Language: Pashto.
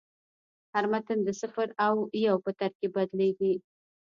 هر متن د صفر او یو په ترکیب بدلېږي.